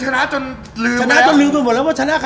นัดแรกเวิร์ดที่เห็นลูกหนัง